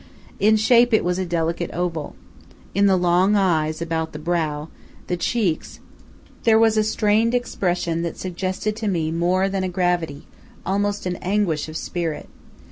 In shape it was a delicate oval. In the long eyes, about the brow, the cheeks, there was a strained expression that suggested to me more than a gravity almost an anguish of spirit.